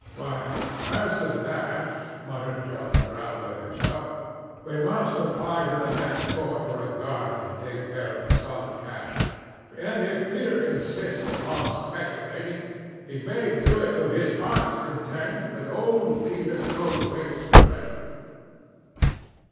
"Why, as to that," muttered John Brown to himself, "we must apply to the next court for a guardian to take care of the solid cash; and if Peter insists upon speculating, he may do it to his heart's content with old Peter Goldthwaite's treasure."